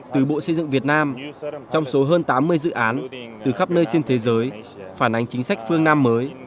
từ bộ xây dựng việt nam trong số hơn tám mươi dự án từ khắp nơi trên thế giới phản ánh chính sách phương nam mới